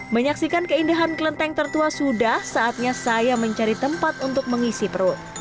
menyaksikan keindahan kelenteng tertua sudah saatnya saya mencari tempat untuk mengisi perut